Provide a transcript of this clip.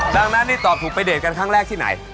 ดังนั้นนี่ตอบถูกไปเดทกันครั้งแรกที่ไหน